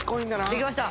できました！